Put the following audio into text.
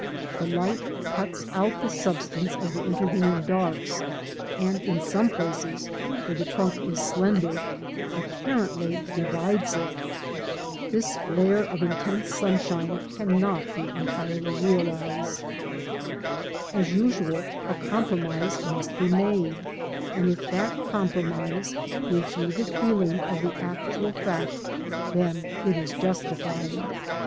The light cuts out the substance of the intervening darks, and, in some places, where the trunk is slender, apparently divides it. This glare of intense sunshine cannot be entirely realised. As usual, a compromise must be made, and if that compromise gives you the feeling of the actual fact, then it is justified.